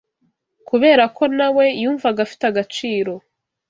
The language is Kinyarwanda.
Kubera ko na we yumvaga afite agaciro